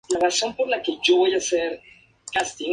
Tras esto, se metió en el teatro.